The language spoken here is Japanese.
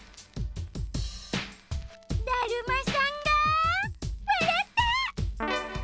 だるまさんがわらった！